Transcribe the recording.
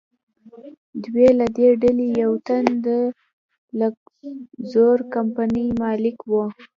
دوی له دې ډلې یو تن د لکزور کمپنۍ مالک و.